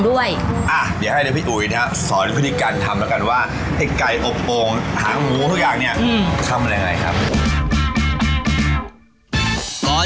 รายได้ต่อวันที่ลักหมื่นเลย